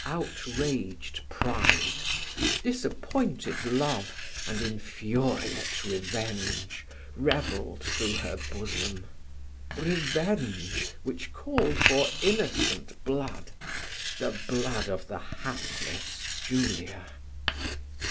Outraged pride, disappointed love, and infuriate revenge, revelled through her bosom. Revenge, which called for innocent blood the blood of the hapless Julia.